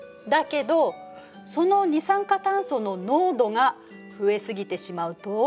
だけどその二酸化炭素の濃度が増え過ぎてしまうと？